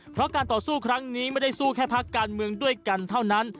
เพราะการต่อสู้ครั้งนี้ไม่ได้สู้แค่พักการเมืองด้วยกันเท่านั้น